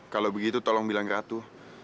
kalau begitu tolong bilang ke ratu